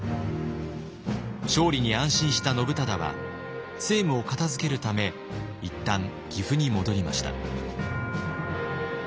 勝利に安心した信忠は政務を片づけるため一旦岐阜に戻りました。